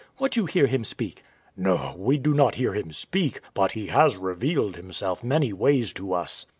What you hear Him speak? W.A. No, we do not hear Him speak; but He has revealed Himself many ways to us.